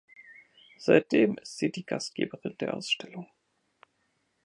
Seitdem ist sie die Gastgeberin der Ausstellung.